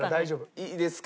いいですか？